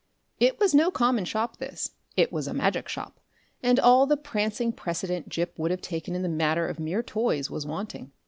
It was no common shop this; it was a magic shop, and all the prancing precedence Gip would have taken in the matter of mere toys was wanting.